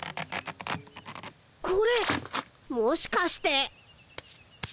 これもしかして。